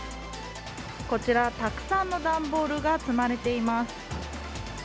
こちら、たくさんの段ボールが積まれています。